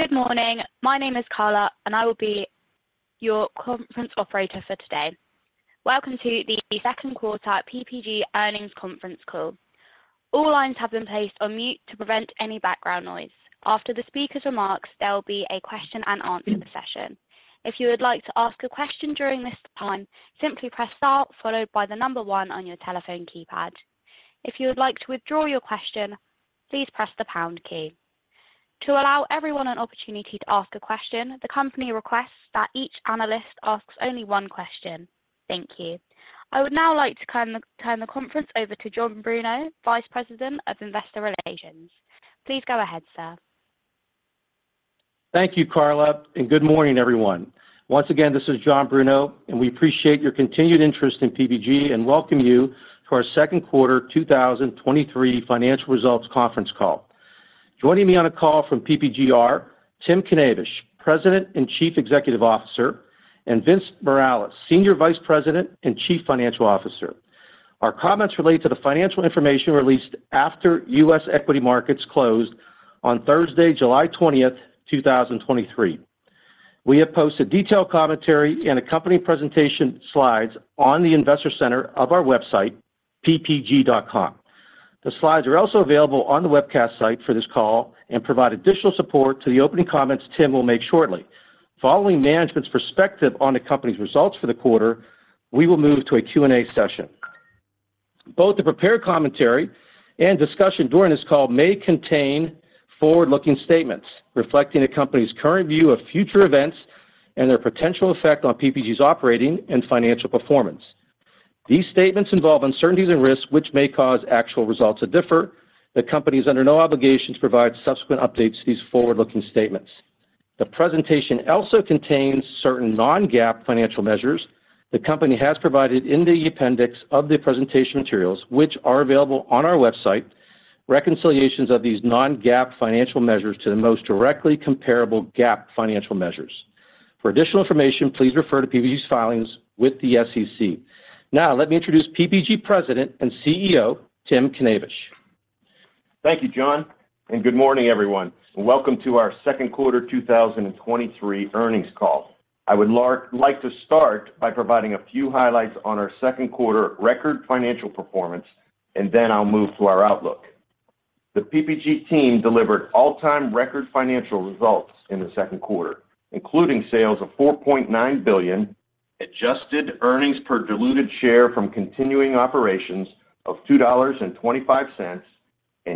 Good morning. My name is Carla.. will be your conference operator for today. Welcome to the second quarter PPG Earnings Conference Call. All lines have been placed on mute to prevent any background noise. After the speaker's remarks, there will be a question and answer session. If you would like to ask a question during this time, simply press star followed by one on your telephone keypad. If you would like to withdraw your question, please press the pound key. To allow everyone an opportunity to ask a question, the company requests that each analyst asks only one question. Thank you. I would now like to turn the conference over to John Bruno, Vice President of Investor Relations. Please go ahead, sir. Thank you, Carla, and good morning, everyone. Once again, this is John Bruno, and we appreciate your continued interest in PPG and welcome you to our second quarter 2023 financial results conference call. Joining me on the call from PPG are Tim Knavish, President and Chief Executive Officer, and Vince Morales, Senior Vice President and Chief Financial Officer. Our comments relate to the financial information released after U.S. equity markets closed on Thursday, July 20, 2023. We have posted detailed commentary and accompanying presentation slides on the Investor Center of our website, ppg.com. The slides are also available on the webcast site for this call and provide additional support to the opening comments Tim will make shortly. Following management's perspective on the company's results for the quarter, we will move to a Q&A session. Both the prepared commentary and discussion during this call may contain forward-looking statements reflecting the company's current view of future events and their potential effect on PPG's operating and financial performance. These statements involve uncertainties and risks which may cause actual results to differ. The company is under no obligation to provide subsequent updates to these forward-looking statements. The presentation also contains certain non-GAAP financial measures. The company has provided in the appendix of the presentation materials, which are available on our website, reconciliations of these non-GAAP financial measures to the most directly comparable GAAP financial measures. For additional information, please refer to PPG's filings with the SEC. Now, let me introduce PPG President and CEO, Tim Knavish. Thank you, John Bruno. Good morning, everyone. Welcome to our second quarter 2023 earnings call. I would like to start by providing a few highlights on our second quarter record financial performance. Then I'll move to our outlook. The PPG team delivered all-time record financial results in the second quarter, including sales of $4.9 billion, adjusted earnings per diluted share from continuing operations of $2.25.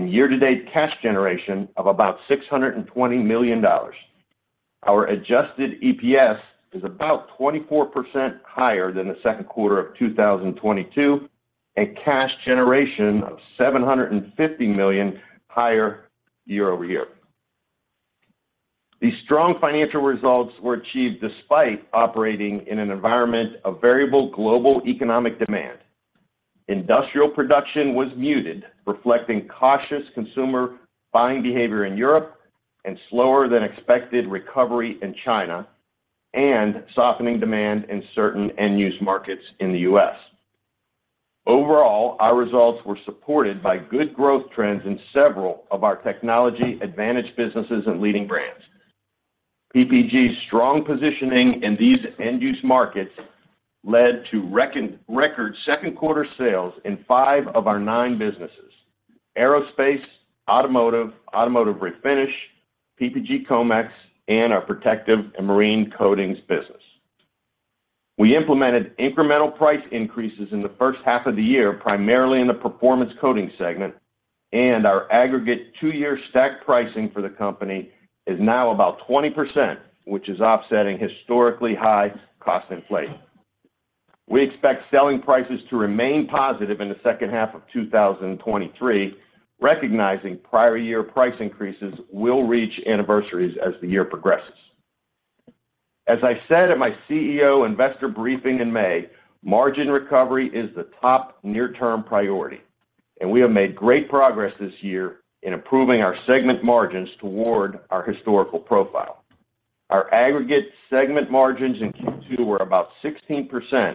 Year-to-date cash generation of about $620 million. Our adjusted EPS is about 24% higher than the second quarter of 2022. Cash generation of $750 million higher year-over-year. These strong financial results were achieved despite operating in an environment of variable global economic demand. Industrial production was muted, reflecting cautious consumer buying behavior in Europe and slower than expected recovery in China and softening demand in certain end-use markets in the U.S. Overall, our results were supported by good growth trends in several of our technology advantage businesses and leading brands. PPG's strong positioning in these end-use markets led to record second quarter sales in five of our nine businesses: aerospace, automotive refinish, PPG Comex, and our protective and marine coatings business. We implemented incremental price increases in the first half of the year, primarily in the performance coating segment, and our aggregate two-year stack pricing for the company is now about 20%, which is offsetting historically high cost inflation. We expect selling prices to remain positive in the second half of 2023, recognizing prior year price increases will reach anniversaries as the year progresses. As I said at my CEO investor briefing in May, margin recovery is the top near-term priority, and we have made great progress this year in improving our segment margins toward our historical profile. Our aggregate segment margins in Q2 were about 16%,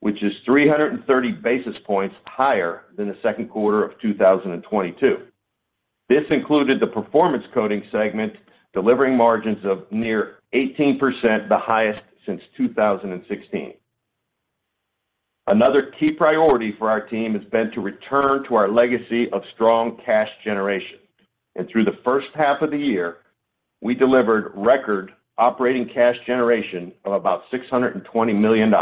which is 330 basis points higher than the second quarter of 2022. This included the performance coating segment, delivering margins of near 18%, the highest since 2016. Another key priority for our team has been to return to our legacy of strong cash generation, and through the first half of the year, we delivered record operating cash generation of about $620 million.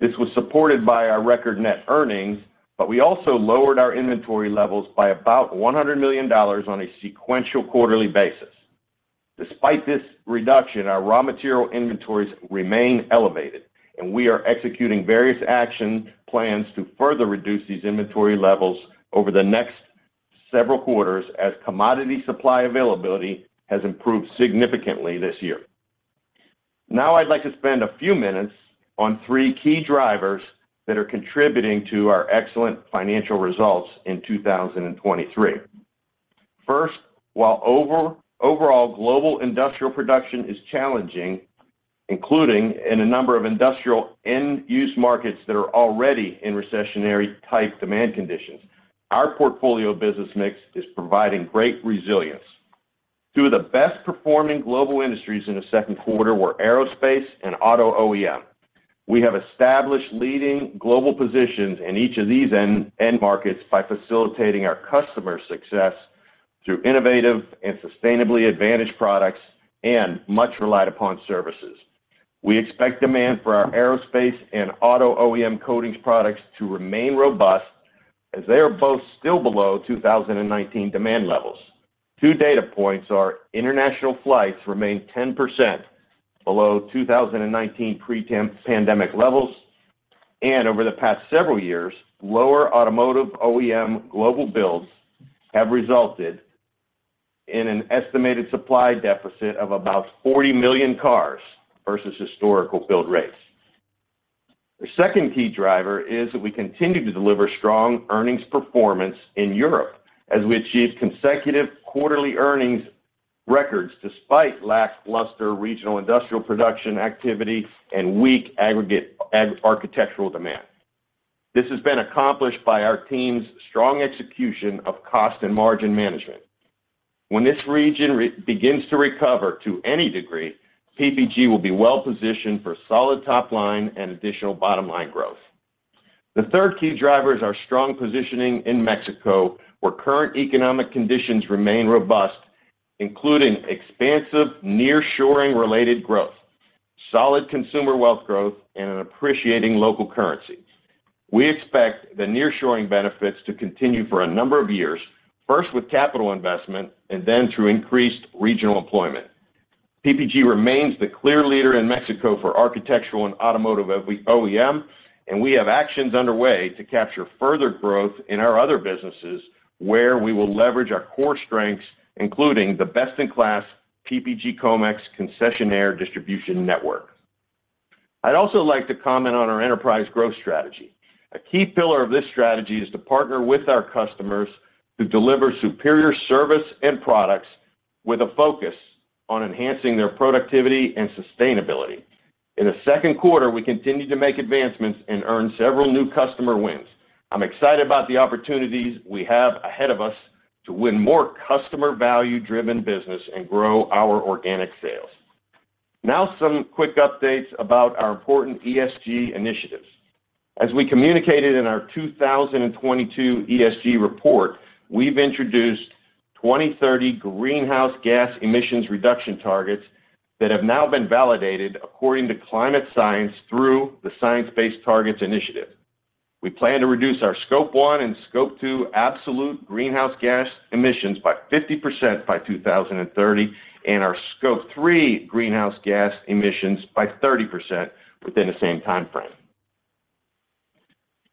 This was supported by our record net earnings, but we also lowered our inventory levels by about $100 million on a sequential quarterly basis. Despite this reduction, our raw material inventories remain elevated, and we are executing various action plans to further reduce these inventory levels over the next several quarters as commodity supply availability has improved significantly this year. I'd like to spend a few minutes on three key drivers that are contributing to our excellent financial results in 2023. While overall, global industrial production is challenging, including in a number of industrial end-use markets that are already in recessionary-type demand conditions. Our portfolio business mix is providing great resilience. Two of the best performing global industries in the second quarter were aerospace and auto OEM. We have established leading global positions in each of these end markets by facilitating our customer success through innovative and sustainably advantaged products and much relied upon services. We expect demand for our aerospace and auto OEM coatings products to remain robust as they are both still below 2019 demand levels. Two data points are international flights remain 10% below 2019 pandemic levels. Over the past several years, lower automotive OEM global builds have resulted in an estimated supply deficit of about 40 million cars versus historical build rates. The second key driver is that we continue to deliver strong earnings performance in Europe as we achieved consecutive quarterly earnings records despite lackluster regional industrial production activity and weak aggregate architectural demand. This has been accomplished by our team's strong execution of cost and margin management. When this region begins to recover to any degree, PPG will be well positioned for solid top line and additional bottom line growth. The third key driver is our strong positioning in Mexico, where current economic conditions remain robust, including expansive nearshoring-related growth, solid consumer wealth growth, and an appreciating local currency. We expect the nearshoring benefits to continue for a number of years, first with capital investment and then through increased regional employment. PPG remains the clear leader in Mexico for architectural and automotive OEM, and we have actions underway to capture further growth in our other businesses, where we will leverage our core strengths, including the best-in-class PPG Comex concessionaire distribution network. I'd also like to comment on our enterprise growth strategy. A key pillar of this strategy is to partner with our customers to deliver superior service and products with a focus on enhancing their productivity and sustainability. In the second quarter, we continued to make advancements and earn several new customer wins. I'm excited about the opportunities we have ahead of us to win more customer value-driven business and grow our organic sales. Now, some quick updates about our important ESG initiatives. As we communicated in our 2022 ESG report, we've introduced 2030 greenhouse gas emissions reduction targets that have now been validated according to climate science through the Science Based Targets initiative. We plan to reduce our Scope 1 and Scope 2 absolute greenhouse gas emissions by 50% by 2030, and our Scope 3 greenhouse gas emissions by 30% within the same time frame.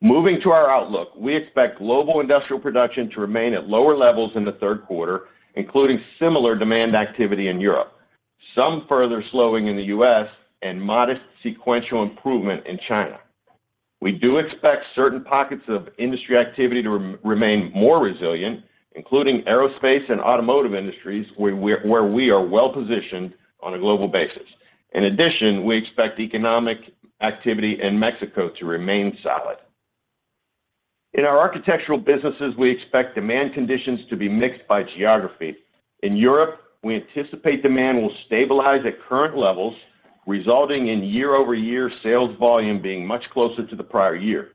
Moving to our outlook, we expect global industrial production to remain at lower levels in the third quarter, including similar demand activity in Europe, some further slowing in the U.S., and modest sequential improvement in China. We do expect certain pockets of industry activity to remain more resilient, including aerospace and automotive industries, where we are well-positioned on a global basis. We expect economic activity in Mexico to remain solid. In our architectural businesses, we expect demand conditions to be mixed by geography. In Europe, we anticipate demand will stabilize at current levels, resulting in year-over-year sales volume being much closer to the prior year.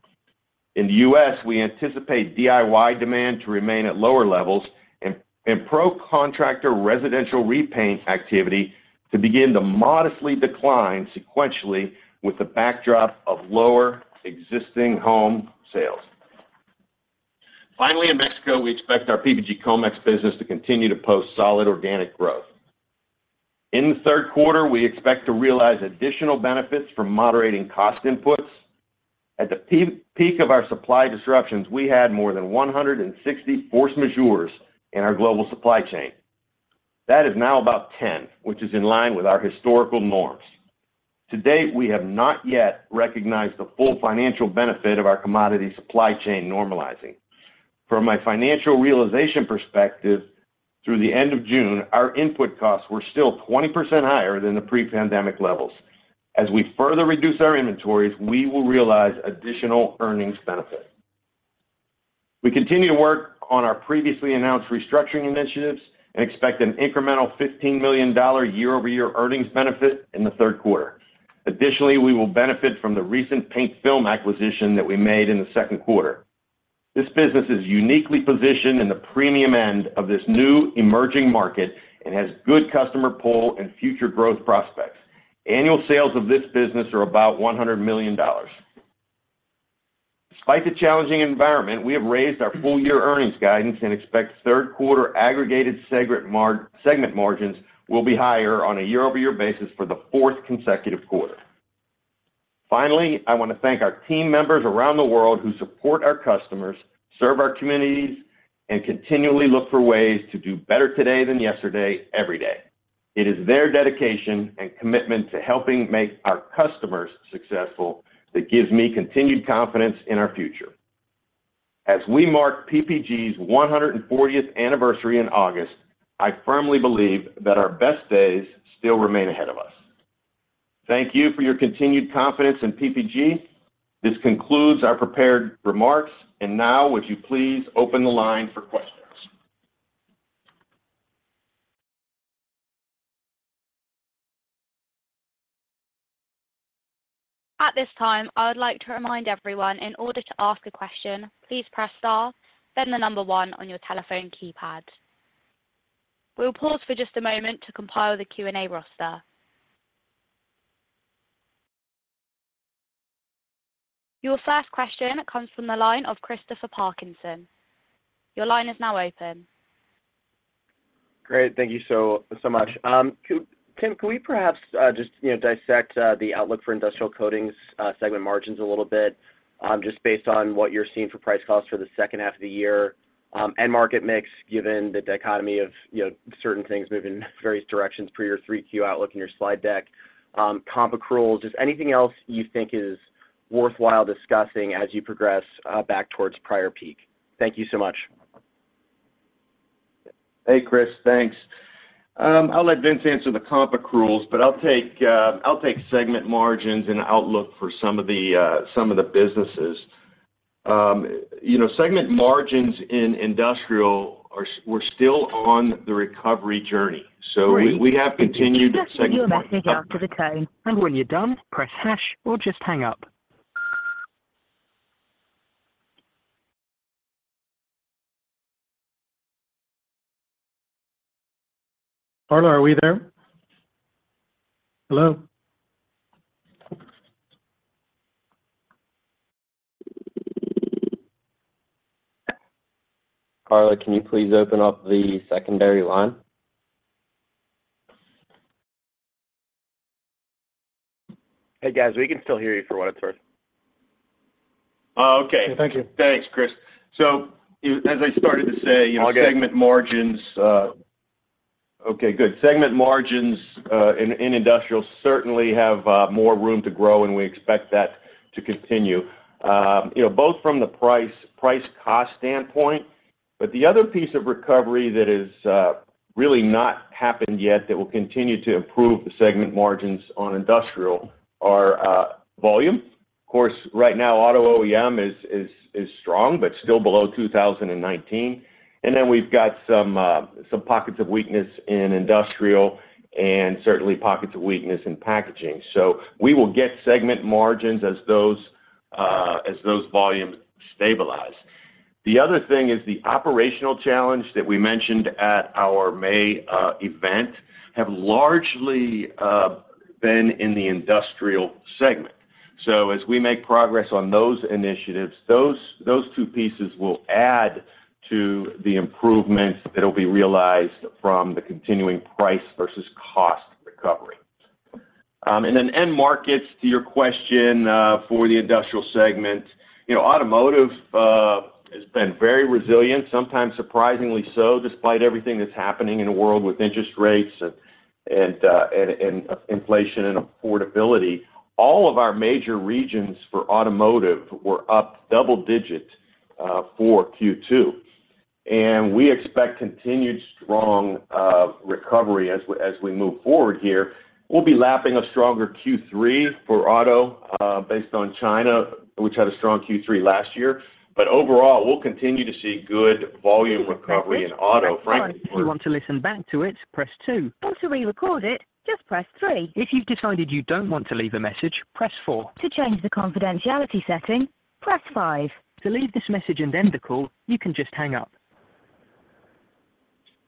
In the U.S., we anticipate DIY demand to remain at lower levels and pro contractor residential repaint activity to begin to modestly decline sequentially with the backdrop of lower existing home sales. In Mexico, we expect our PPG Comex business to continue to post solid organic growth. In the third quarter, we expect to realize additional benefits from moderating cost inputs. At the peak of our supply disruptions, we had more than 160 force majeures in our global supply chain. That is now about 10, which is in line with our historical norms. To date, we have not yet recognized the full financial benefit of our commodity supply chain normalizing. From a financial realization perspective, through the end of June, our input costs were still 20% higher than the pre-pandemic levels. As we further reduce our inventories, we will realize additional earnings benefit. We continue to work on our previously announced restructuring initiatives and expect an incremental $15 million year-over-year earnings benefit in the third quarter. Additionally, we will benefit from the recent paint films acquisition that we made in the second quarter. This business is uniquely positioned in the premium end of this new emerging market and has good customer pull and future growth prospects. Annual sales of this business are about $100 million. Despite the challenging environment, we have raised our full-year earnings guidance and expect third quarter aggregated segment margins will be higher on a year-over-year basis for the fourth consecutive quarter. I want to thank our team members around the world who support our customers, serve our communities, and continually look for ways to do better today than yesterday, every day. It is their dedication and commitment to helping make our customers successful that gives me continued confidence in our future. As we mark PPG's 140th anniversary in August, I firmly believe that our best days still remain ahead of us. Thank you for your continued confidence in PPG. This concludes our prepared remarks, and now would you please open the line for questions? At this time, I would like to remind everyone, in order to ask a question, please press star, then one on your telephone keypad. We'll pause for just a moment to compile the Q&A roster. Your first question comes from the line of Christopher Parkinson. Your line is now open. Great. Thank you so much. Can we perhaps, you know, dissect the outlook for industrial coatings segment margins a little bit, just based on what you're seeing for price calls for the second half of the year, and market mix, given the dichotomy of, you know, certain things moving in various directions for your 3Q outlook in your slide deck, comp accruals, just anything else you think is worthwhile discussing as you progress back towards prior peak? Thank you so much. Hey, Chris. Thanks. I'll let Vince answer the comp accruals, I'll take segment margins and outlook for some of the some of the businesses. You know, segment margins in industrial we're still on the recovery journey. We have continued segment- Your message after the tone. When you're done, press hash or just hang up. Carla, are we there? Hello? Carla, can you please open up the secondary line? Hey, guys, we can still hear you for what it's worth. Oh, okay. Thank you. Thanks, Chris. As I started to say, you know. All good. Segment margins in industrial certainly have more room to grow, and we expect that to continue, you know, both from the price cost standpoint. The other piece of recovery that is really not happened yet, that will continue to improve the segment margins on industrial are volume. Of course, right now, auto OEM is strong, but still below 2019. We've got some pockets of weakness in industrial and certainly pockets of weakness in packaging. We will get segment margins as those volumes stabilize. The other thing is the operational challenge that we mentioned at our May event have largely been in the industrial segment. As we make progress on those initiatives, those two pieces will add to the improvements that will be realized from the continuing price versus cost recovery. End markets, to your question, for the industrial segment, you know, automotive has been very resilient, sometimes surprisingly so, despite everything that's happening in the world with interest rates and inflation and affordability. All of our major regions for automotive were up double digits for Q2, and we expect continued strong recovery as we move forward here. We'll be lapping a stronger Q3 for auto based on China, which had a strong Q3 last year. Overall, we'll continue to see good volume recovery in auto frankly. If you want to listen back to it, press two. Re-record it, just press three. If you've decided you don't want to leave a message, press four. To change the confidentiality setting, press five. To leave this message and end the call, you can just hang up.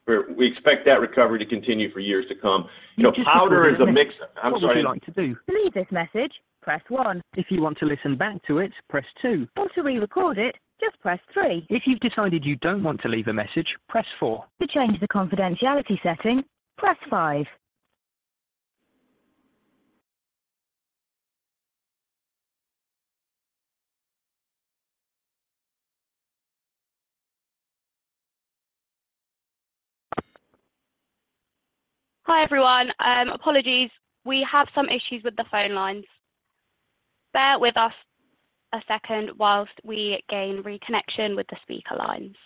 We expect that recovery to continue for years to come. You know, powder is a mix... I'm sorry. What would you like to do? To leave this message, press one. If you want to listen back to it, press two. Re-record it, just press three. If you've decided you don't want to leave a message, press four. To change the confidentiality setting, press five. Hi, everyone. Apologies, we have some issues with the phone lines. Bear with us a second while we gain reconnection with the speaker lines.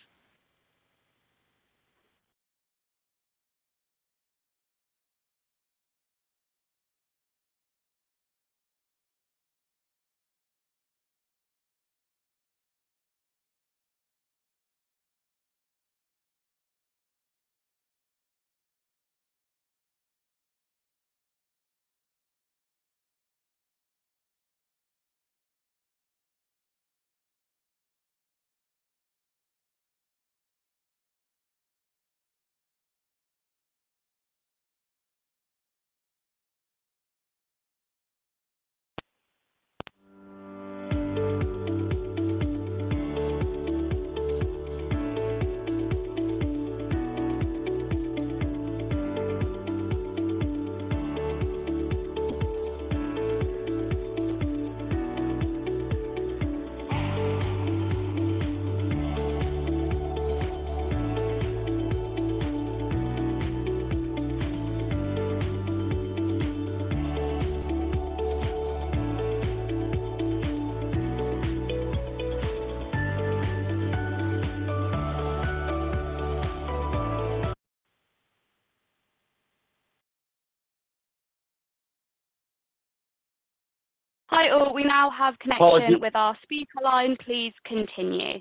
Hi, all. We now have Apologies. -with our speaker line. Please continue.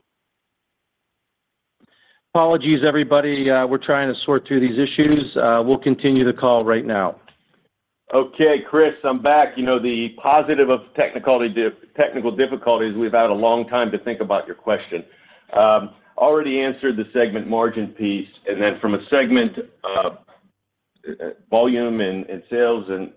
Apologies, everybody, we're trying to sort through these issues. We'll continue the call right now. Okay, Chris, I'm back. You know, the positive of technical difficulties, we've had a long time to think about your question. Already answered the segment margin piece, and then from a segment volume and sales and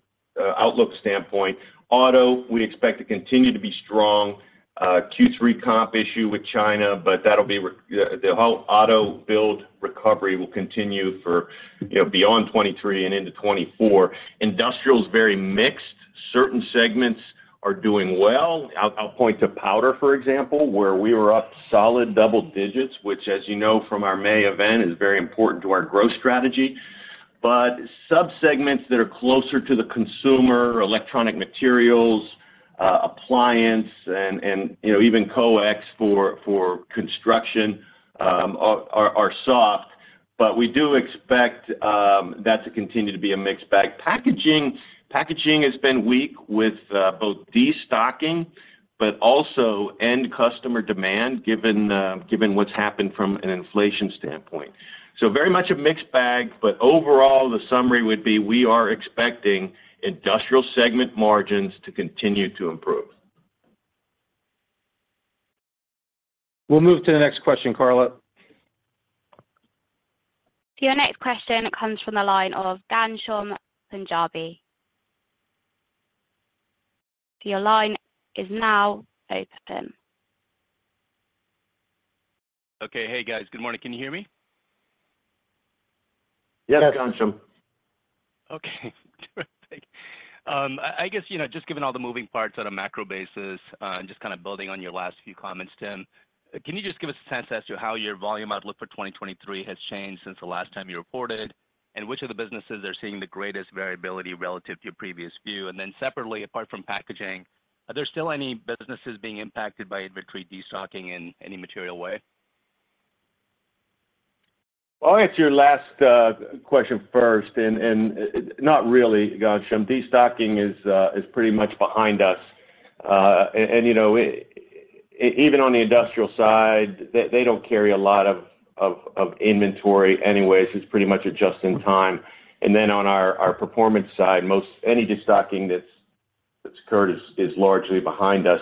outlook standpoint, auto, we expect to continue to be strong. Q3 comp issue with China, but that'll be the whole auto build recovery will continue for, you know, beyond 2023 and into 2024. Industrial is very mixed. Certain segments are doing well. I'll point to powder, for example, where we were up solid double digits, which, as you know from our May event, is very important to our growth strategy. Sub-segments that are closer to the consumer, electronic materials, appliance, and, you know, even COEX for construction, are soft. We do expect that to continue to be a mixed bag. Packaging has been weak with both destocking, but also end customer demand, given what's happened from an inflation standpoint. Very much a mixed bag, but overall, the summary would be, we are expecting industrial segment margins to continue to improve. We'll move to the next question, Carla. Your next question comes from the line of Ghansham Panjabi. Your line is now open. Okay. Hey, guys. Good morning. Can you hear me? Yes, Ghansham. Okay, terrific. I guess, you know, just given all the moving parts on a macro basis, and just kind of building on your last few comments, Tim, can you just give us a sense as to how your volume outlook for 2023 has changed since the last time you reported? Which of the businesses are seeing the greatest variability relative to your previous view? Then separately, apart from packaging, are there still any businesses being impacted by inventory destocking in any material way? I'll answer your last question first, not really, Ghansham. Destocking is pretty much behind us. You know, even on the industrial side, they don't carry a lot of inventory anyways. It's pretty much just in time. Then on our performance side, any destocking that's occurred is largely behind us.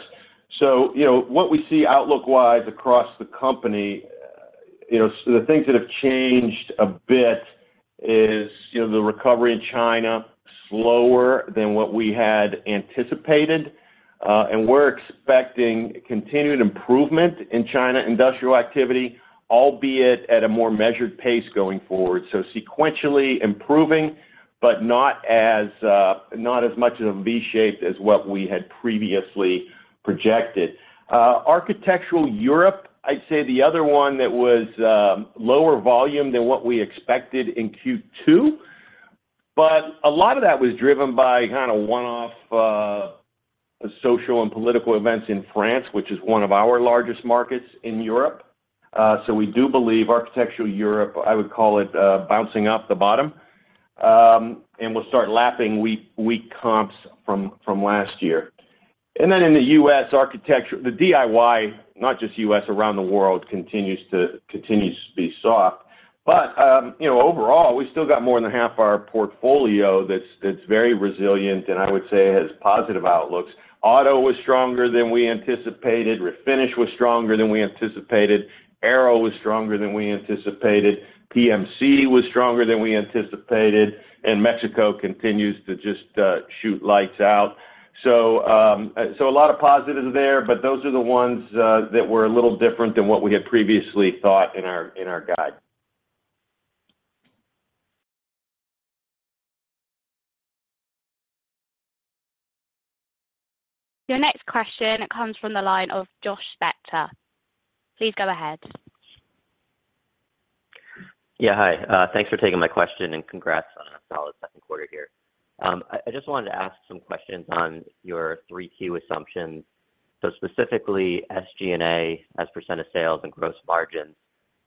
You know, what we see outlook-wise across the company, you know, the things that have changed a bit is, you know, the recovery in China, slower than what we had anticipated, and we're expecting continued improvement in China industrial activity, albeit at a more measured pace going forward. Sequentially improving, but not as much of a V shape as what we had previously projected. Architectural Europe, I'd say the other one that was lower volume than what we expected in Q2, but a lot of that was driven by kind of one-off social and political events in France, which is one of our largest markets in Europe. We do believe architectural Europe, I would call it, bouncing off the bottom, and will start lapping weak comps from last year. In the US, architecture, the DIY, not just US, around the world, continues to be soft. You know, overall, we still got more than half of our portfolio that's very resilient, and I would say, has positive outlooks. Auto was stronger than we anticipated. Refinish was stronger than we anticipated. Aero was stronger than we anticipated. PMC was stronger than we anticipated. Mexico continues to just shoot lights out. A lot of positives there. Those are the ones that were a little different than what we had previously thought in our, in our guide. Your next question comes from the line of Josh Spector. Please go ahead. Yeah, hi. Thanks for taking my question, congrats on a solid second quarter here. I just wanted to ask some questions on your 3Q assumptions. Specifically, SG&A, as percent of sales and gross margins.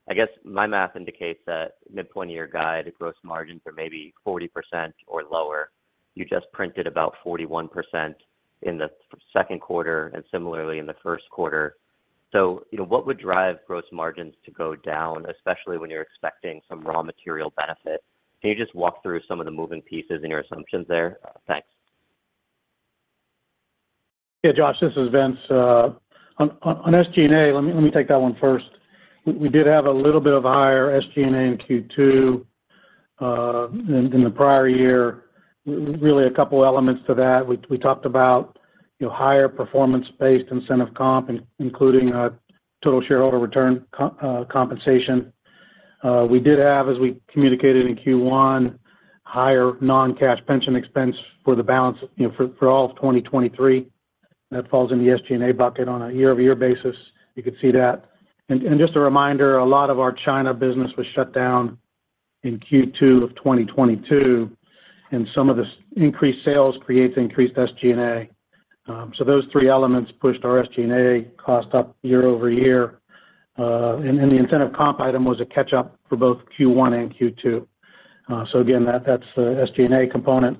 I guess my math indicates that mid-point year guide, the gross margins are maybe 40% or lower. You just printed about 41% in the second quarter and similarly in the first quarter. You know, what would drive gross margins to go down, especially when you're expecting some raw material benefit? Can you just walk through some of the moving pieces in your assumptions there? Thanks. Yeah, Josh, this is Vince. On SG&A, let me take that one first. We did have a little bit of a higher SG&A in Q2 than in the prior year. Really, a couple of elements to that. We talked about, you know, higher performance-based incentive comp, including total shareholder return compensation. We did have, as we communicated in Q1, higher non-cash pension expense for the balance, you know, for all of 2023. That falls in the SG&A bucket on a year-over-year basis. You could see that. Just a reminder, a lot of our China business was shut down in Q2 of 2022, and some of this increased sales creates increased SG&A. Those three elements pushed our SG&A cost up year-over-year. The incentive comp item was a catch-up for both Q1 and Q2. Again, that's the SG&A component.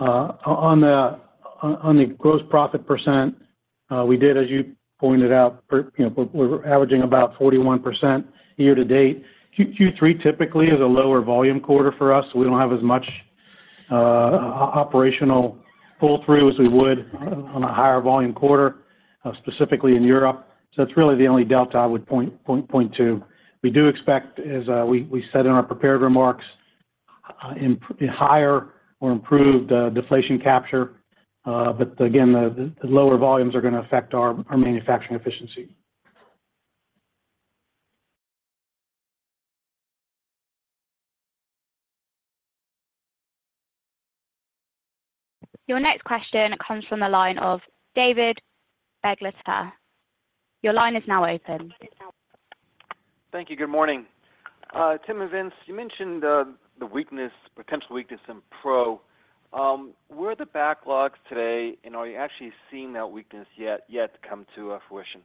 On the gross profit percent, we did, as you pointed out, you know, we're averaging about 41% year to date. Q3 typically is a lower volume quarter for us, so we don't have as much operational pull-through as we would on a higher volume quarter, specifically in Europe. That's really the only delta I would point to. We do expect, as we said in our prepared remarks, in higher or improved deflation capture, again, the lower volumes are going to affect our manufacturing efficiency. Your next question comes from the line of David Begleiter. Your line is now open. Thank you. Good morning. Tim and Vince, you mentioned the weakness, potential weakness in pro. Where are the backlogs today, and are you actually seeing that weakness yet to come to fruition?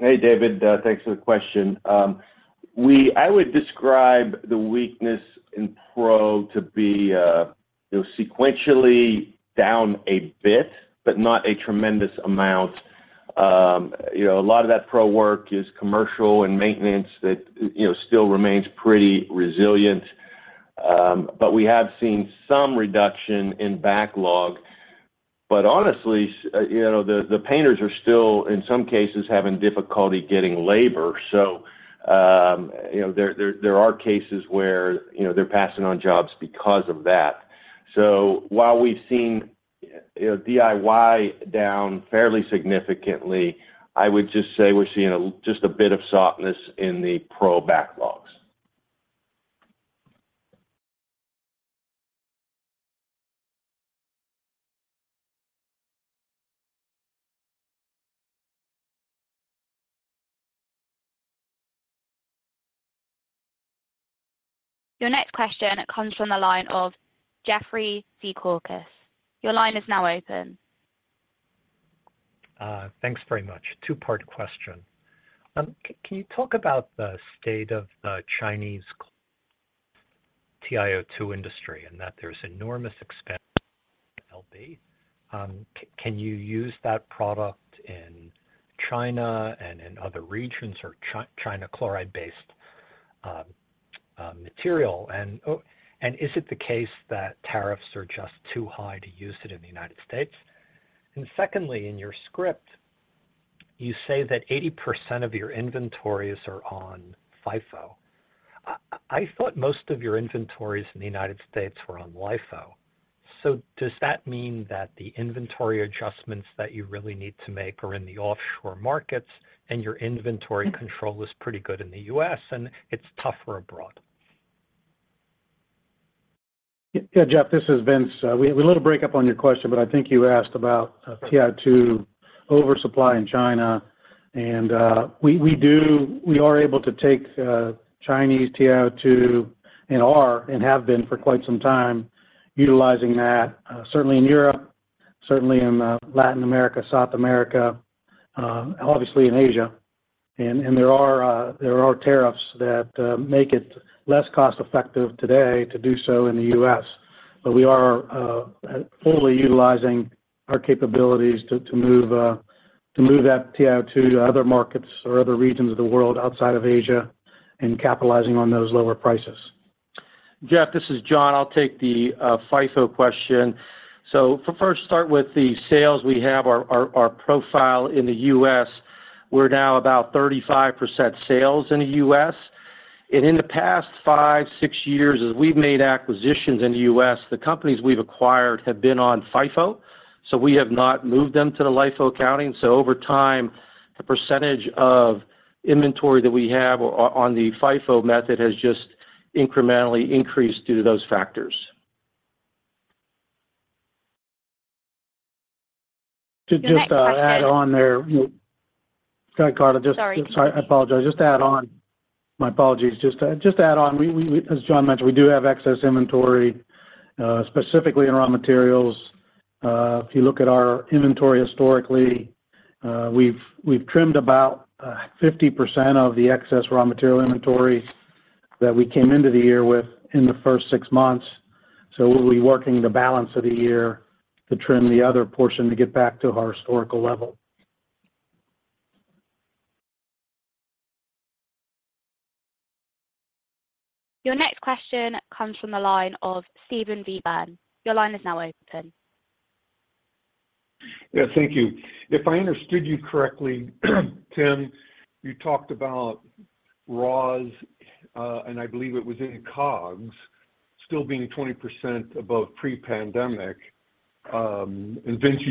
Hey, David, thanks for the question. I would describe the weakness in pro to be, you know, sequentially down a bit, but not a tremendous amount. You know, a lot of that pro work is commercial and maintenance that, you know, still remains pretty resilient. We have seen some reduction in backlog. Honestly, you know, the painters are still, in some cases, having difficulty getting labor. You know, there are cases where, you know, they're passing on jobs because of that. While we've seen DIY down fairly significantly, I would just say we're seeing a just a bit of softness in the pro backlogs. Your next question comes from the line of Jeffrey Zekauskas. Your line is now open. Thanks very much. Two-part question. Can you talk about the state of the Chinese TiO2 industry, and that there's enormous expense? Can you use that product in China and in other regions or China chloride-based material? Is it the case that tariffs are just too high to use it in the United States? Secondly, in your script, you say that 80% of your inventories are on FIFO. I thought most of your inventories in the United States were on LIFO. Does that mean that the inventory adjustments that you really need to make are in the offshore markets, and your inventory control is pretty good in the U.S., and it's tougher abroad? Yeah, Jeff, this is Vince. We had a little break up on your question, but I think you asked about TIO2 oversupply in China. We are able to take Chinese TIO2 and have been for quite some time, utilizing that certainly in Europe, certainly in Latin America, South America, obviously in Asia. There are tariffs that make it less cost-effective today to do so in the U.S. We are fully utilizing our capabilities to move that TIO2 to other markets or other regions of the world outside of Asia and capitalizing on those lower prices. Jeff, this is John. I'll take the FIFO question. For first, start with the sales, we have our profile in the U.S., we're now about 35% sales in the U.S. In the past 5, 6 years, as we've made acquisitions in the U.S., the companies we've acquired have been on FIFO, so we have not moved them to the LIFO accounting. Over time, the percentage of inventory that we have on the FIFO method has just incrementally increased due to those factors. To just, add on there. The next question-. Go ahead, Carla. Sorry. Just, I apologize. My apologies. Just to add on, we, as John mentioned, we do have excess inventory, specifically in raw materials. If you look at our inventory historically, we've trimmed about 50% of the excess raw material inventory that we came into the year with in the first six months. We'll be working the balance of the year to trim the other portion to get back to our historical level. Your next question comes from the line of Steven Vievan. Your line is now open. Yeah, thank you. If I understood you correctly, Tim, you talked about raws, and I believe it was in COGS, still being 20% above pre-pandemic. Vince,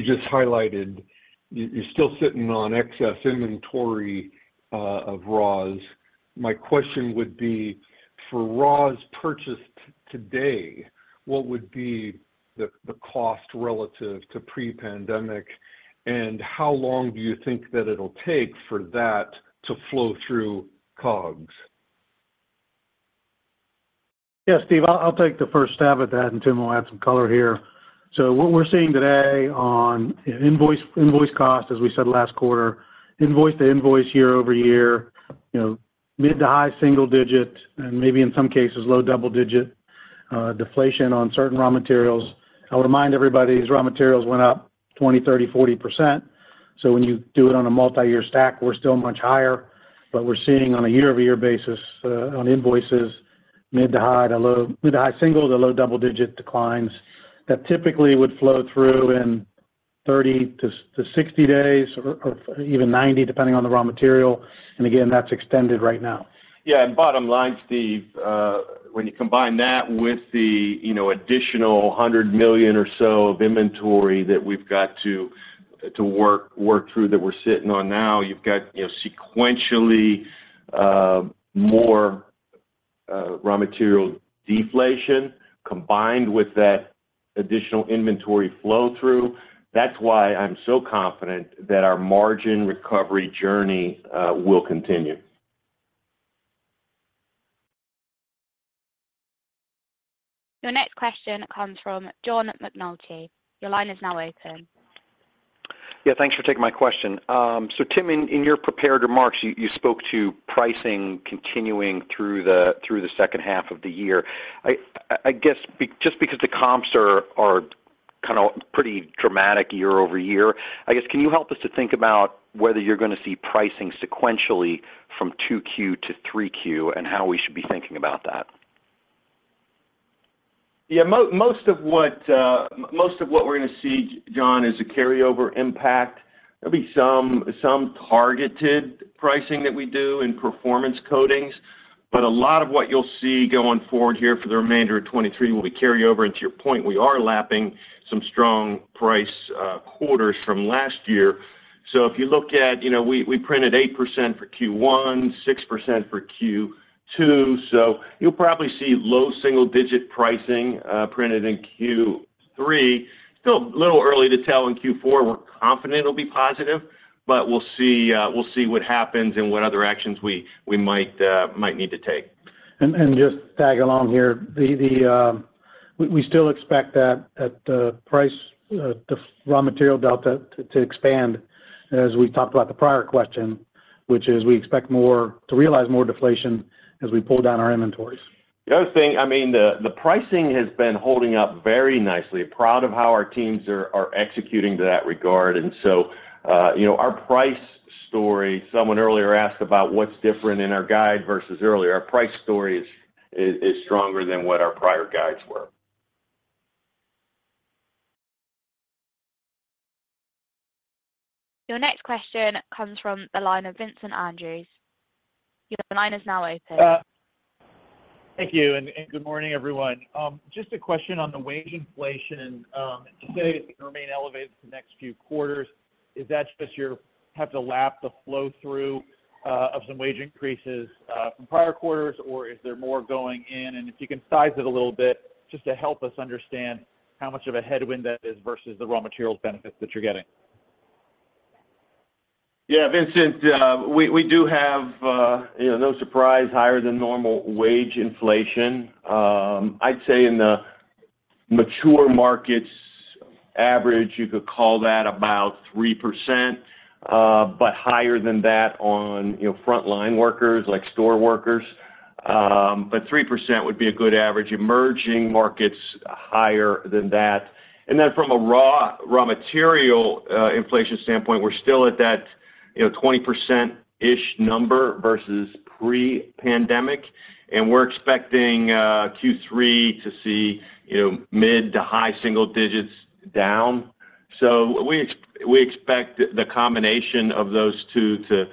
you're still sitting on excess inventory of raws. My question would be: For raws purchased-... today, what would be the cost relative to pre-pandemic, and how long do you think that it'll take for that to flow through COGS? Yeah, Steven, I'll take the first stab at that, and Tim will add some color here. What we're seeing today on invoice cost, as we said last quarter, invoice to invoice year-over-year, you know, mid to high single-digit, and maybe in some cases, low double-digit deflation on certain raw materials. I would remind everybody, these raw materials went up 20%, 30%, 40%, when you do it on a multi-year stack, we're still much higher. We're seeing on a year-over-year basis, on invoices, mid to high single- to low double-digit declines that typically would flow through in 30-60 days or even 90, depending on the raw material. Again, that's extended right now. Bottom line, Steve, when you combine that with the, you know, additional $100 million or so of inventory that we've got to work through that we're sitting on now, you've got, you know, sequentially, more, raw material deflation combined with that additional inventory flow-through. That's why I'm so confident that our margin recovery journey, will continue. Your next question comes from John McNulty. Your line is now open. Yeah, thanks for taking my question. Tim, in your prepared remarks, you spoke to pricing continuing through the second half of the year. I guess, just because the comps are kind of pretty dramatic year-over-year, I guess, can you help us to think about whether you're going to see pricing sequentially from 2Q to 3Q, and how we should be thinking about that? Most of what we're going to see, John, is a carryover impact. There'll be some targeted pricing that we do in performance coatings, but a lot of what you'll see going forward here for the remainder of 2023 will be carryover. To your point, we are lapping some strong price quarters from last year. If you look at, you know, we printed 8% for Q1, 6% for Q2, so you'll probably see low single digit pricing printed in Q3. Still a little early to tell in Q4. We're confident it'll be positive, but we'll see what happens and what other actions we might need to take. Just tag along here. We still expect that at the price, the raw material delta to expand, as we talked about the prior question, which is we expect to realize more deflation as we pull down our inventories. The other thing, I mean, the pricing has been holding up very nicely. Proud of how our teams are executing to that regard. you know, our price story, someone earlier asked about what's different in our guide versus earlier. Our price story is stronger than what our prior guides were. Your next question comes from the line of Vincent Andrews. Your line is now open. Thank you, and good morning, everyone. Just a question on the wage inflation. Today, is it going to remain elevated for the next few quarters? Is that just you're have to lap the flow-through of some wage increases from prior quarters, or is there more going in? If you can size it a little bit, just to help us understand how much of a headwind that is versus the raw materials benefits that you're getting. Yeah, Vincent, we do have, you know, no surprise, higher than normal wage inflation. I'd say in the mature markets average, you could call that about 3%, but higher than that on, you know, frontline workers, like store workers. 3% would be a good average. Emerging markets, higher than that. From a raw material inflation standpoint, we're still at that, you know, 20%-ish number versus pre-pandemic, we're expecting Q3 to see, you know, mid to high single digits down. We expect the combination of those two to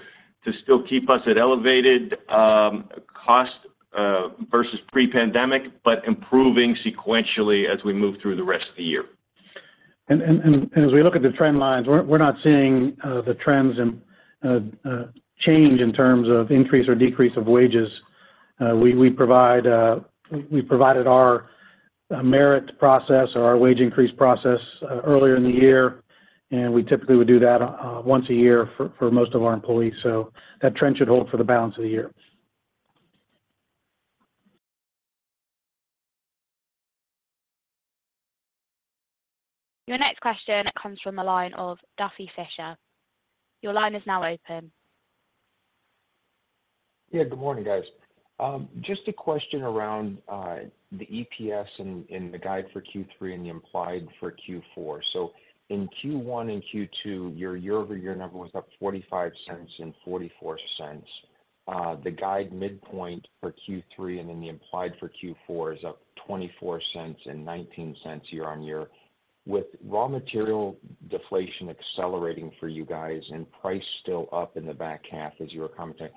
still keep us at elevated cost versus pre-pandemic, improving sequentially as we move through the rest of the year. As we look at the trend lines, we're not seeing the trends and change in terms of increase or decrease of wages. We provided our merit process or our wage increase process earlier in the year, and we typically would do that once a year for most of our employees. That trend should hold for the balance of the year. Your next question comes from the line of Duffy Fischer. Your line is now open. Yeah, good morning, guys. Just a question around the EPS and the guide for Q3 and the implied for Q4. In Q1 and Q2, your year-over-year number was up $0.45 and $0.44. The guide midpoint for Q3 and then the implied for Q4 is up $0.24 and $0.19 year-on-year. With raw material deflation accelerating for you guys and price still up in the back half, as you were commenting,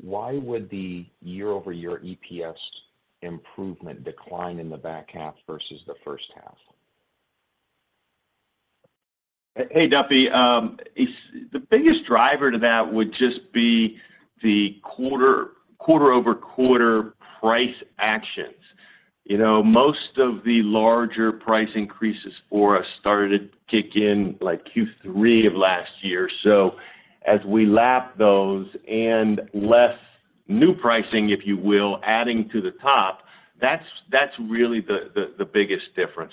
why would the year-over-year EPS improvement decline in the back half versus the first half? Hey, Duffy, the biggest driver to that would just be the quarter-over-quarter price actions. You know, most of the larger price increases for us started to kick in, like, Q3 of last year. As we lap those and less new pricing, if you will, adding to the top, that's really the biggest difference.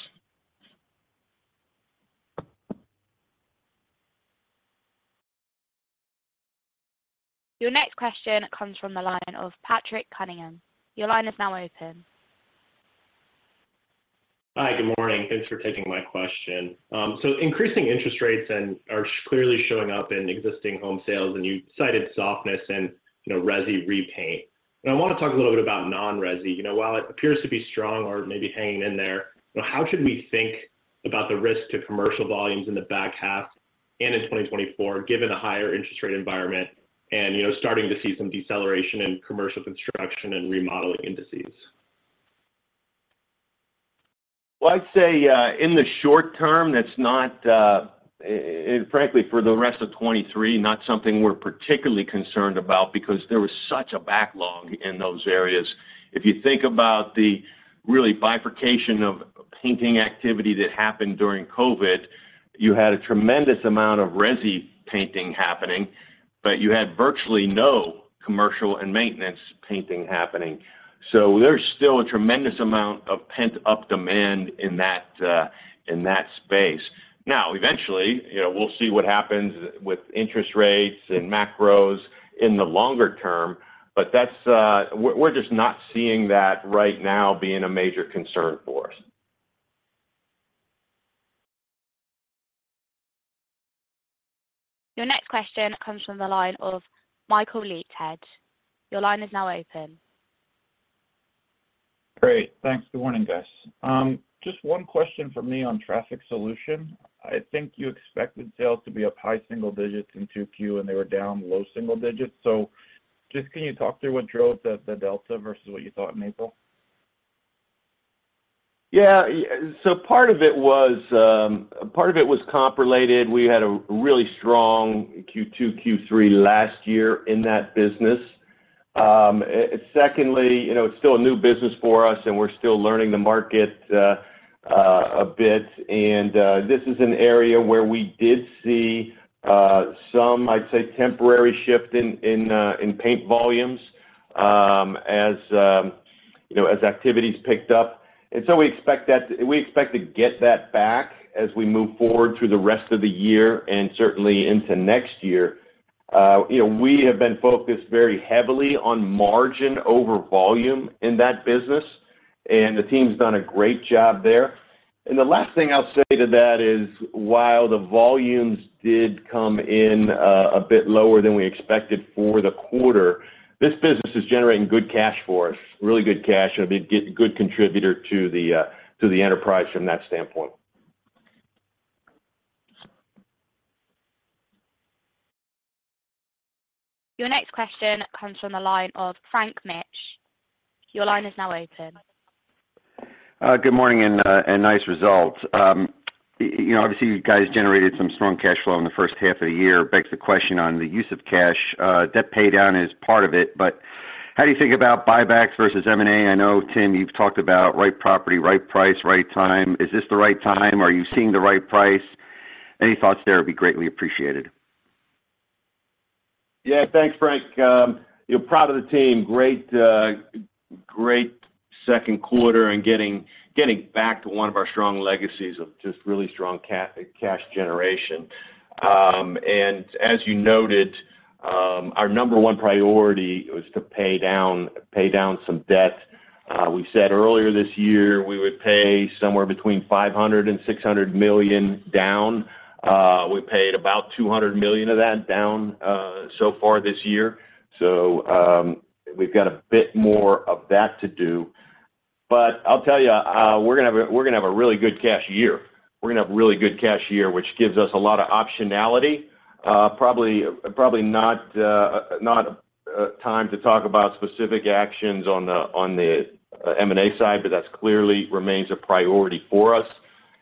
Your next question comes from the line of Patrick Cunningham. Your line is now open. Hi, good morning. Thanks for taking my question. Increasing interest rates and are clearly showing up in existing home sales, and you cited softness and, you know, resi repaint. I wanna talk a little bit about non-resi. You know, while it appears to be strong or maybe hanging in there, you know, how should we think about the risk to commercial volumes in the back half and in 2024, given the higher interest rate environment and, you know, starting to see some deceleration in commercial construction and remodeling indices? I'd say, in the short term, that's not, and frankly, for the rest of 2023, not something we're particularly concerned about because there was such a backlog in those areas. If you think about the really bifurcation of painting activity that happened during COVID, you had a tremendous amount of resi painting happening, but you had virtually no commercial and maintenance painting happening. There's still a tremendous amount of pent-up demand in that in that space. Now, eventually, you know, we'll see what happens with interest rates and macros in the longer term, but that's. We're just not seeing that right now being a major concern for us. Your next question comes from the line of Michael Leithead. Your line is now open. Great. Thanks. Good morning, guys. Just one question from me on Traffic Solutions. I think you expected sales to be up high single digits in 2Q, and they were down low single digits. Just can you talk through what drove the delta versus what you thought may fall? Yeah, so part of it was comp-related. We had a really strong Q2, Q3 last year in that business. Secondly, you know, it's still a new business for us, and we're still learning the market a bit. This is an area where we did see some, I'd say, temporary shift in paint volumes as, you know, as activities picked up. We expect to get that back as we move forward through the rest of the year and certainly into next year. You know, we have been focused very heavily on margin over volume in that business, and the team's done a great job there. The last thing I'll say to that is, while the volumes did come in, a bit lower than we expected for the quarter, this business is generating good cash for us, really good cash, and a big, good contributor to the, to the enterprise from that standpoint. Your next question comes from the line of Frank Mitsch. Your line is now open. Good morning, and nice results. You know, obviously, you guys generated some strong cash flow in the first half of the year. Begs the question on the use of cash. Debt paydown is part of it, but how do you think about buybacks versus M&A? I know, Tim, you've talked about right property, right price, right time. Is this the right time? Are you seeing the right price? Any thoughts there would be greatly appreciated. Yeah, thanks, Frank. You know, proud of the team. Great, great second quarter and getting back to one of our strong legacies of just really strong cash generation. As you noted, our number one priority was to pay down some debt. We said earlier this year, we would pay somewhere between $500 million and $600 million down. We paid about $200 million of that down so far this year, we've got a bit more of that to do. I'll tell you, we're gonna have a really good cash year. We're gonna have a really good cash year, which gives us a lot of optionality. Probably not a time to talk about specific actions on the M&A side, but that's clearly remains a priority for us,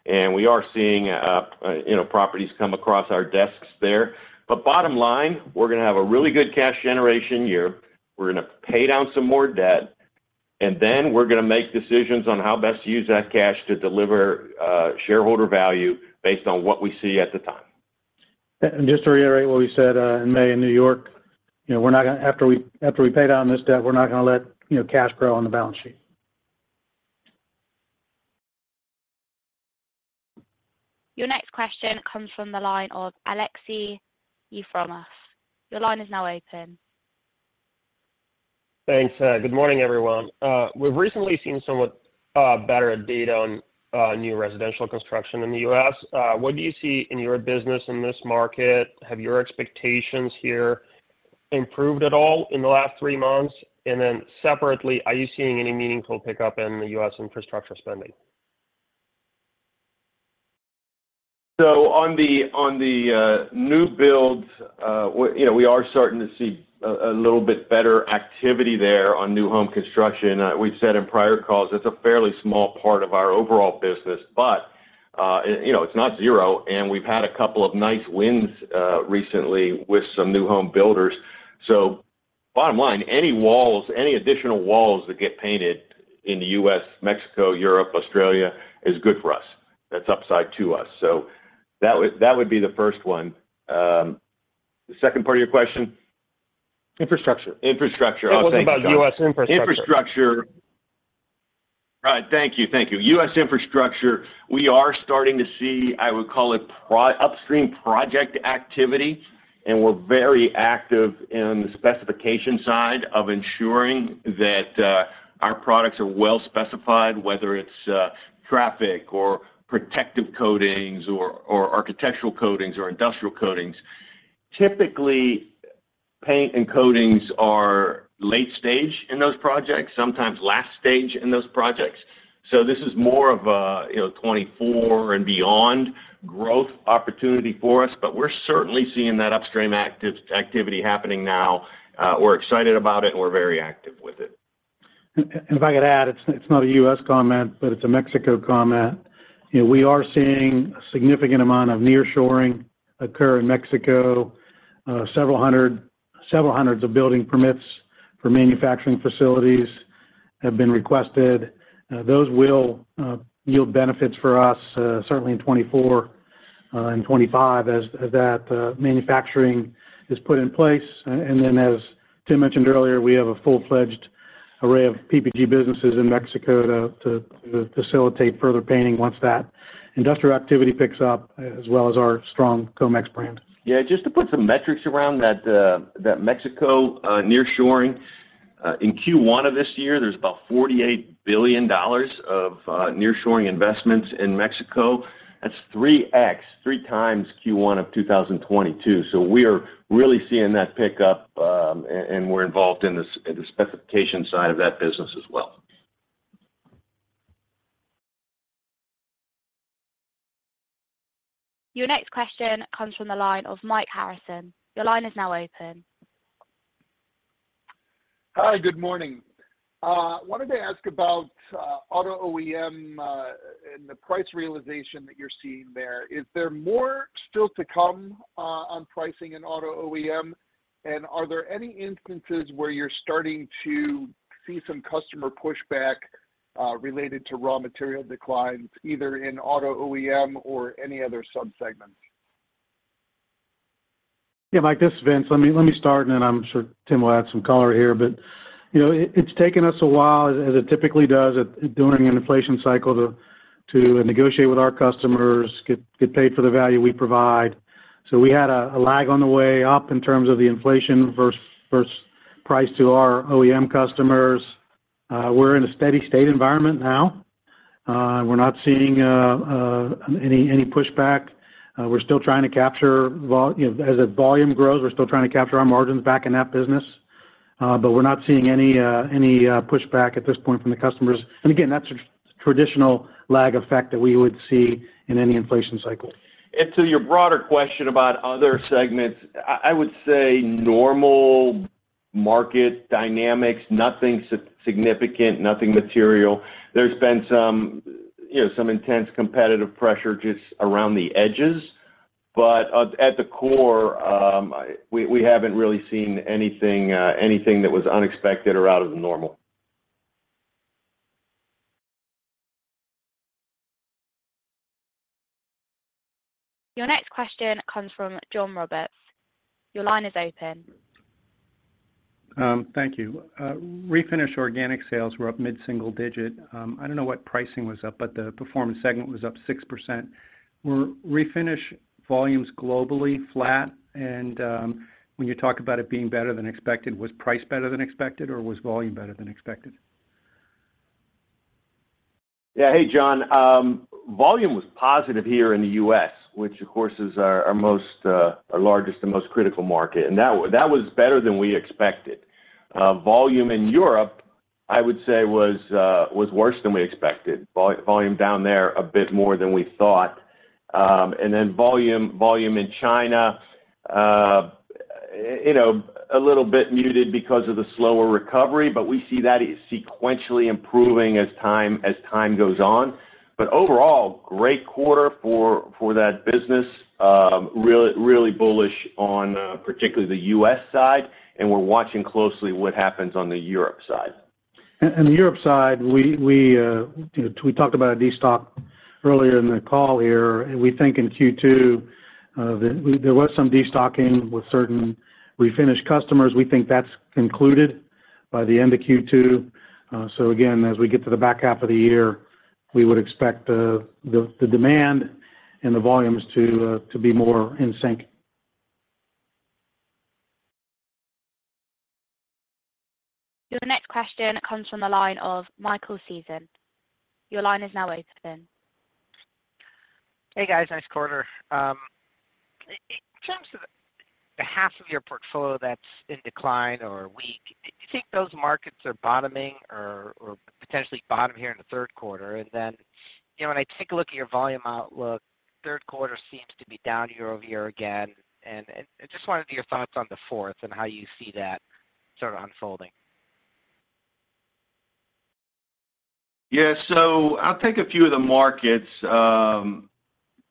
and we are seeing, you know, properties come across our desks there. Bottom line, we're gonna have a really good cash generation year. We're gonna pay down some more debt, and then we're gonna make decisions on how best to use that cash to deliver shareholder value based on what we see at the time. Just to reiterate what we said, in May, in New York, you know, after we pay down this debt, we're not gonna let, you know, cash grow on the balance sheet. Your next question comes from the line of Aleksey Yefremov. Your line is now open. Thanks. Good morning, everyone. We've recently seen somewhat better data on new residential construction in the U.S. What do you see in your business in this market? Have your expectations here improved at all in the last three months? Separately, are you seeing any meaningful pickup in the U.S. infrastructure spending? On the new build, we, you know, we are starting to see a little bit better activity there on new home construction. We've said in prior calls, it's a fairly small part of our overall business, but, and, you know, it's not zero, and we've had a couple of nice wins recently with some new home builders. Bottom line, any additional walls that get painted in the U.S., Mexico, Europe, Australia, is good for us. That's upside to us. That would be the first one. The second part of your question? Infrastructure. Infrastructure. Oh, thank you, John. It was about U.S. infrastructure. Infrastructure. Right, thank you. Thank you. U.S. infrastructure, we are starting to see, I would call it upstream project activity, and we're very active in the specification side of ensuring that our products are well specified, whether it's traffic, or protective coatings, or architectural coatings, or industrial coatings. Typically, paint and coatings are late stage in those projects, sometimes last stage in those projects. This is more of a, you know, 2024 and beyond growth opportunity for us, but we're certainly seeing that upstream activity happening now. We're excited about it, and we're very active with it. If I could add, it's not a U.S. comment, but it's a Mexico comment. You know, we are seeing a significant amount of nearshoring occur in Mexico. Several hundreds of building permits for manufacturing facilities have been requested. Those will yield benefits for us certainly in 2024 and 2025, as that manufacturing is put in place. Then, as Tim mentioned earlier, we have a full-fledged array of PPG businesses in Mexico to facilitate further painting once that industrial activity picks up, as well as our strong Comex brand. Yeah, just to put some metrics around that Mexico nearshoring. In Q1 of this year, there's about $48 billion of nearshoring investments in Mexico. That's 3x, three times Q1 of 2022. We are really seeing that pick up, and we're involved in the specification side of that business as well. Your next question comes from the line of Mike Harrison. Your line is now open. Hi, good morning. Wanted to ask about auto OEM and the price realization that you're seeing there. Is there more still to come on pricing in auto OEM? Are there any instances where you're starting to see some customer pushback related to raw material declines, either in auto OEM or any other subsegments? Yeah, Mike Harrison, this is Vince Morales. Let me start, and then I'm sure Tim Knavish will add some color here. You know, it's taken us a while, as it typically does during an inflation cycle, to negotiate with our customers, get paid for the value we provide. We had a lag on the way up in terms of the inflation versus price to our OEM customers. We're in a steady state environment now. We're not seeing any pushback. We're still trying to capture you know, as the volume grows, we're still trying to capture our margins back in that business. But we're not seeing any pushback at this point from the customers. Again, that's a traditional lag effect that we would see in any inflation cycle. To your broader question about other segments, I would say normal market dynamics, nothing significant, nothing material. There's been some, you know, some intense competitive pressure just around the edges, but at the core, we haven't really seen anything that was unexpected or out of the normal. Your next question comes from John Roberts. Your line is open. Thank you. Refinish organic sales were up mid-single digit. I don't know what pricing was up, but the performance segment was up 6%. Were refinish volumes globally flat? When you talk about it being better than expected, was price better than expected, or was volume better than expected? Yeah. Hey, John. Volume was positive here in the U.S., which of course, is our most, our largest and most critical market, and that was better than we expected. Volume in Europe, I would say, was worse than we expected. Volume down there a bit more than we thought. Then volume in China, you know, a little bit muted because of the slower recovery, but we see that sequentially improving as time goes on. Overall, great quarter for that business. Bullish on particularly the U.S. side, and we're watching closely what happens on the Europe side. The Europe side, we, you know, we talked about a destock earlier in the call here, and we think in Q2, there was some destocking with certain refinished customers. We think that's concluded by the end of Q2. Again, as we get to the back half of the year, we would expect the demand and the volumes to be more in sync. Your next question comes from the line of Michael Sison. Your line is now open. Hey, guys. Nice quarter. In terms of the half of your portfolio that's in decline or weak,... Do you think those markets are bottoming or potentially bottom here in the third quarter? You know, when I take a look at your volume outlook, third quarter seems to be down year-over-year again, and I just wanted your thoughts on the fourth and how you see that sort of unfolding. Yeah. I'll take a few of the markets,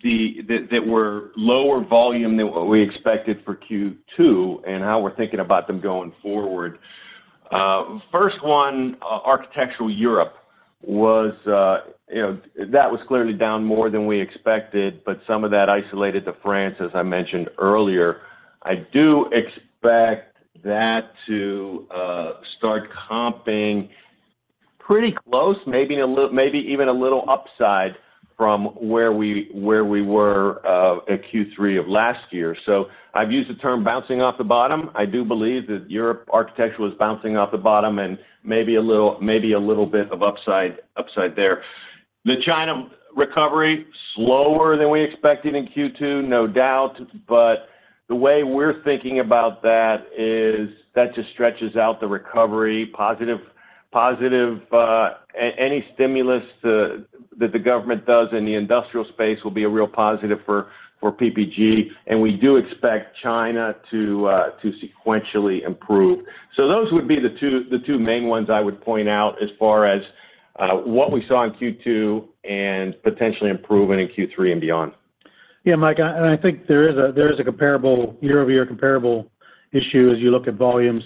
that were lower volume than what we expected for Q2, and how we're thinking about them going forward. First one, Architectural Europe was, you know, that was clearly down more than we expected, but some of that isolated to France, as I mentioned earlier. I do expect that to start comping pretty close, maybe even a little upside from where we were at Q3 of last year. I've used the term bouncing off the bottom. I do believe that Europe Architectural is bouncing off the bottom and maybe a little bit of upside there. The China recovery, slower than we expected in Q2, no doubt, but the way we're thinking about that is, that just stretches out the recovery. Positive. Any stimulus that the government does in the industrial space will be a real positive for PPG, and we do expect China to sequentially improve. Those would be the two, the two main ones I would point out as far as what we saw in Q2 and potentially improving in Q3 and beyond. Mike, I think there is a comparable year-over-year comparable issue as you look at volume.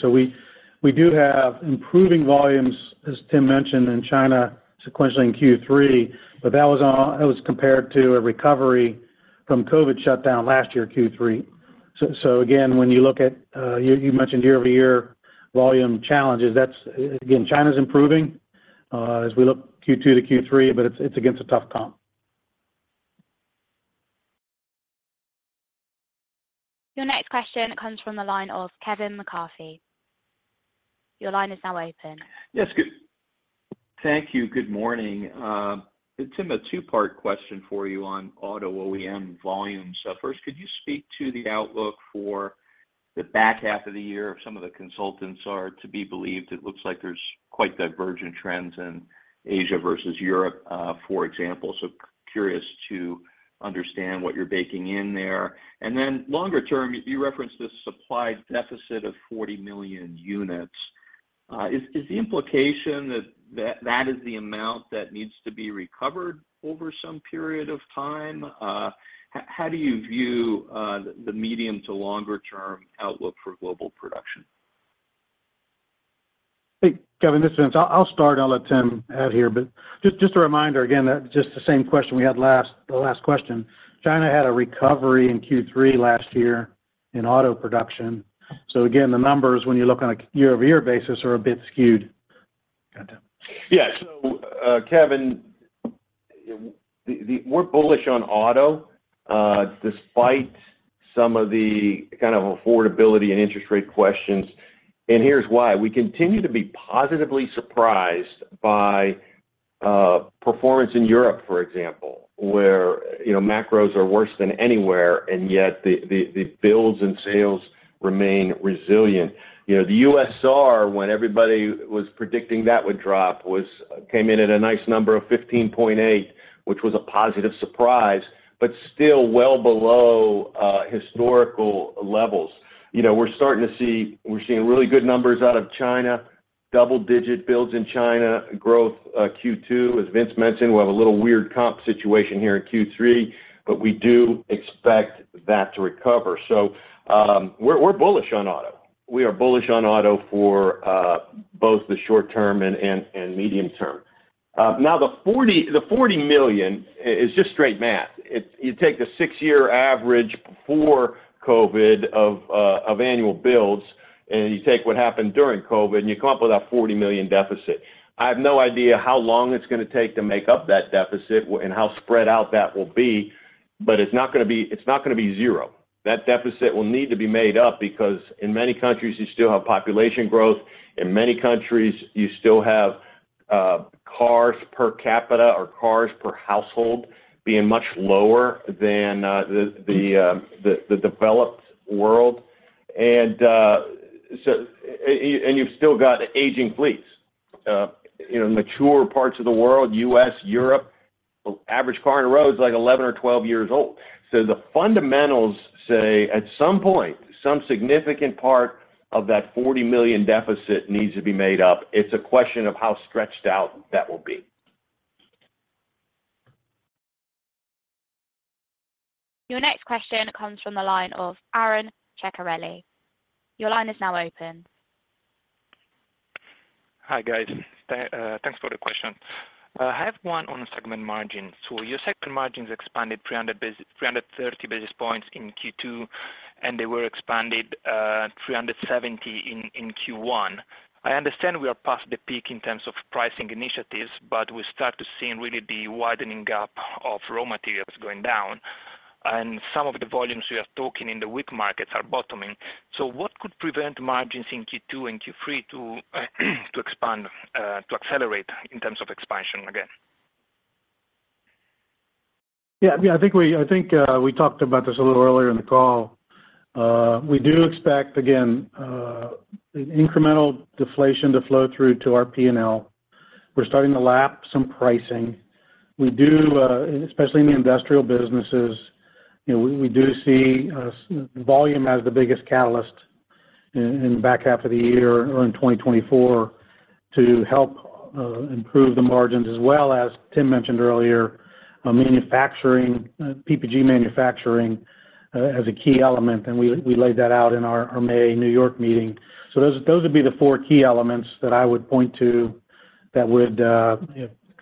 We do have improving volumes, as Tim mentioned, in China sequentially in Q3, but that was compared to a recovery from COVID shutdown last year, Q3. Again, when you look at, you mentioned year-over-year volume challenges, that's. Again, China's improving, as we look Q2 to Q3, but it's against a tough comp. Your next question comes from the line of Kevin McCarthy. Your line is now open. Yes, good. Thank you. Good morning. Tim, a two-part question for you on auto OEM volumes. First, could you speak to the outlook for the back half of the year? If some of the consultants are to be believed, it looks like there's quite divergent trends in Asia versus Europe, for example. Curious to understand what you're baking in there. Then longer term, you referenced this supply deficit of 40 million units. Is the implication that that is the amount that needs to be recovered over some period of time? How do you view the medium to longer term outlook for global production? Hey, Kevin, this is Vince. I'll start, I'll let Tim add here. Just a reminder, again, that just the same question we had the last question. China had a recovery in Q3 last year in auto production. Again, the numbers, when you look on a year-over-year basis, are a bit skewed. Go ahead, Tim. Yeah. Kevin, we're bullish on auto despite some of the kind of affordability and interest rate questions, and here's why. We continue to be positively surprised by performance in Europe, for example, where, you know, macros are worse than anywhere, and yet the builds and sales remain resilient. You know, the SAAR, when everybody was predicting that would drop, came in at a nice number of 15.8, which was a positive surprise, but still well below historical levels. You know, we're seeing really good numbers out of China, double-digit builds in China, growth, Q2. As Vince mentioned, we have a little weird comp situation here in Q3, but we do expect that to recover. We're bullish on auto. We are bullish on auto for both the short term and medium term. Now, the 40, the $40 million is just straight math. It's you take the 6-year average before COVID of annual builds, and you take what happened during COVID, and you come up with that $40 million deficit. I have no idea how long it's gonna take to make up that deficit and how spread out that will be, but it's not gonna be zero. That deficit will need to be made up because in many countries, you still have population growth. In many countries, you still have cars per capita or cars per household being much lower than the developed world. You've still got aging fleets. you know, mature parts of the world, U.S., Europe, the average car on the road is, like, 11 or 12 years old. The fundamentals say, at some point, some significant part of that $40 million deficit needs to be made up. It's a question of how stretched out that will be. Your next question comes from the line of Aron Ceccarelli. Your line is now open. Hi, guys. Thanks for the question. I have one on segment margins. Your segment margins expanded 330 basis points in Q2, and they were expanded 370 in Q1. I understand we are past the peak in terms of pricing initiatives, but we start to see in really the widening gap of raw materials going down, and some of the volumes we are talking in the wick markets are bottoming. What could prevent margins in Q2 and Q3 to expand, to accelerate in terms of expansion again? Yeah, I think we talked about this a little earlier in the call. We do expect, again, an incremental deflation to flow through to our P&L. We're starting to lap some pricing. We do, especially in the industrial businesses, you know, we do see volume as the biggest catalyst in the back half of the year or in 2024, to help improve the margins, as well as Tim mentioned earlier, manufacturing, PPG manufacturing, as a key element, and we laid that out in our May New York meeting. Those would be the four key elements that I would point to that would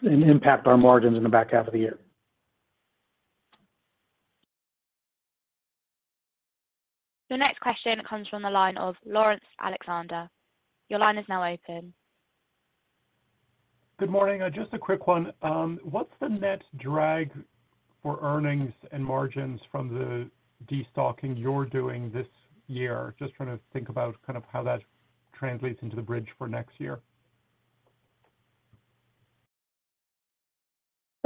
impact our margins in the back half of the year. The next question comes from the line of Laurence Alexander. Your line is now open. Good morning. Just a quick one. What's the net drag for earnings and margins from the destocking you're doing this year? Just trying to think about kind of how that translates into the bridge for next year.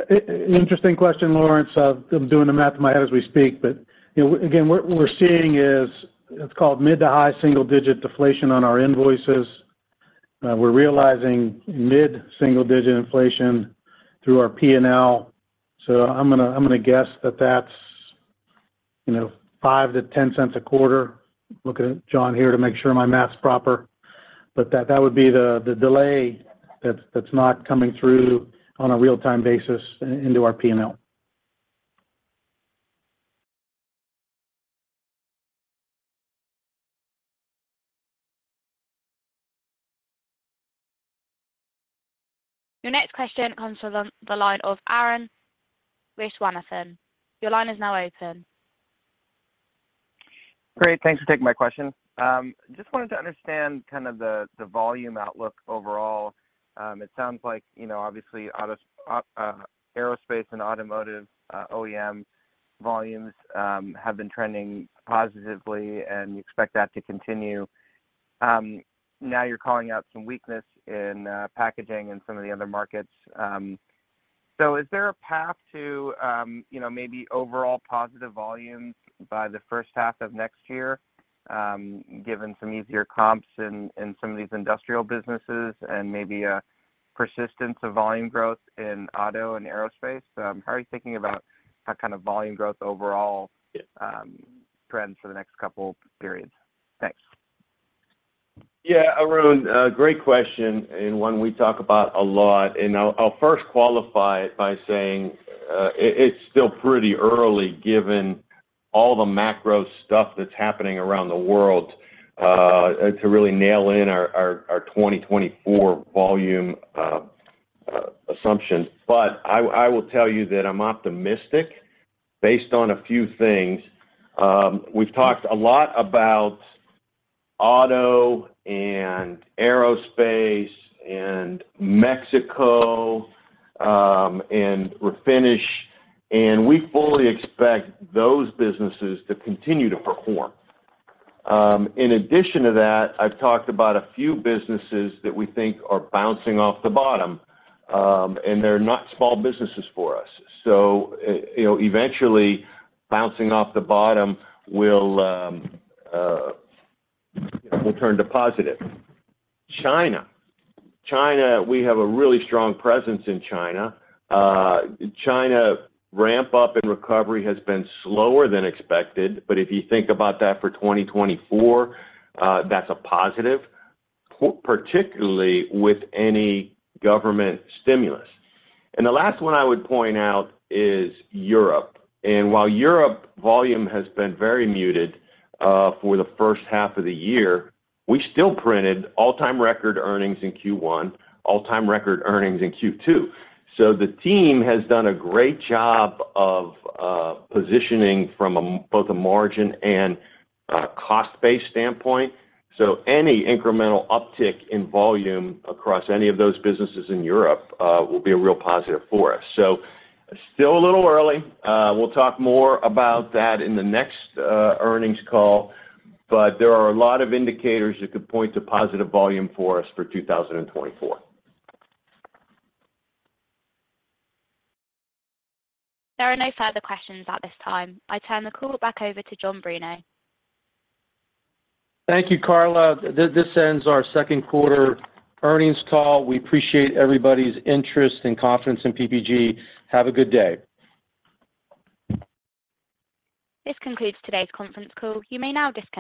Interesting question, Laurence. I'm doing the math in my head as we speak, you know, again, what we're seeing is, it's called mid to high single digit deflation on our invoices. We're realizing mid single digit inflation through our P&L. I'm gonna guess that that's, you know, $0.05-$0.10 a quarter. Looking at John here to make sure my math's proper, that would be the delay that's not coming through on a real-time basis into our P&L. Your next question comes from the line of Arun Viswanathan. Your line is now open. Great. Thanks for taking my question. Just wanted to understand kind of the volume outlook overall. It sounds like, you know, obviously, auto, aerospace and automotive OEM volumes have been trending positively, and you expect that to continue. Now you're calling out some weakness in packaging and some of the other markets. Is there a path to, you know, maybe overall positive volumes by the first half of next year, given some easier comps in some of these industrial businesses and maybe a persistence of volume growth in auto and aerospace? How are you thinking about how kind of volume growth overall, trends for the next couple periods? Thanks. Yeah, Arun, a great question, and one we talk about a lot, and I'll first qualify it by saying, it's still pretty early, given all the macro stuff that's happening around the world, to really nail in our 2024 volume assumptions. I will tell you that I'm optimistic based on a few things. We've talked a lot about auto and aerospace and Mexico, and refinish, and we fully expect those businesses to continue to perform. In addition to that, I've talked about a few businesses that we think are bouncing off the bottom, and they're not small businesses for us. You know, eventually, bouncing off the bottom will turn to positive. China. China, we have a really strong presence in China. China ramp up and recovery has been slower than expected, but if you think about that for 2024, that's a positive, particularly with any government stimulus. The last one I would point out is Europe, and while Europe volume has been very muted, for the first half of the year, we still printed all-time record earnings in Q1, all-time record earnings in Q2. The team has done a great job of positioning from a, both a margin and a cost-based standpoint. Any incremental uptick in volume across any of those businesses in Europe, will be a real positive for us. Still a little early. We'll talk more about that in the next earnings call, but there are a lot of indicators that could point to positive volume for us for 2024. There are no further questions at this time. I turn the call back over to John Bruno. Thank you, Carla. This ends our second quarter earnings call. We appreciate everybody's interest and confidence in PPG. Have a good day. This concludes today's conference call. You may now disconnect.